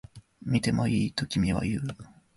見てもいい？と君は言う